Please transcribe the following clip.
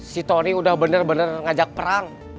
si tony udah bener bener ngajak perang